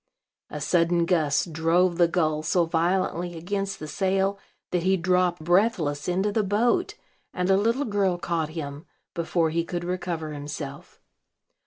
A sudden gust drove the gull so violently against the sail that he dropped breathless into the boat; and a little girl caught him, before he could recover himself.